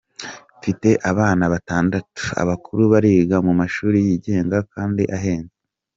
Mfite abana batandatu, abakuru bariga mu mashuri yigenga kandi ahenze.